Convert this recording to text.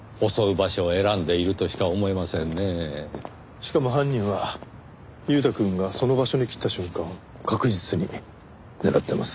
しかも犯人は裕太くんがその場所に来た瞬間を確実に狙ってます。